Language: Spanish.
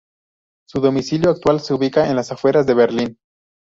Su domicilio actual se ubica a las afueras de Berlín.